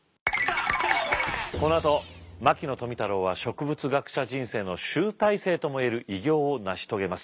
このあと牧野富太郎は植物学者人生の集大成とも言える偉業を成し遂げます。